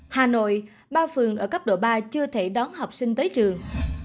hà nội ba phường ở cấp độ ba chưa thể đón học sinh tới trường